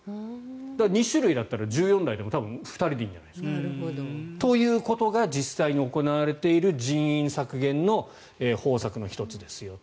だから２種類だったら１４台でも２人でいいんじゃないですか。ということが実際に行われている人員削減の方策の１つですよと。